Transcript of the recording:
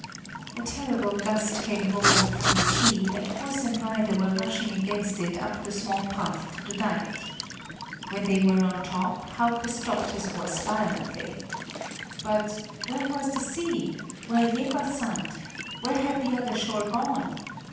A terrible gust came roaring from the sea, and horse and rider were rushing against it up the small path to the dike. When they were on top, Hauke stopped his horse violently. But where was the sea? Where Jeverssand? Where had the other shore gone?